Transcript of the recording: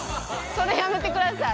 それやめてください。